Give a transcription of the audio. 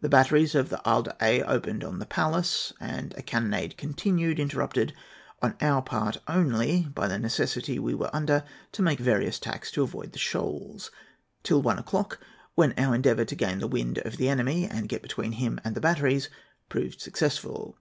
The batteries on I'lsle d'Aix opened on the Pallas, and a cannonade continued, interrupted on our part only by the necessity we were under to make various tacks to avoid the shoals, till one o'clock, when our endeavour to gain the wind of the enemy and get between him and the batteries proved successful.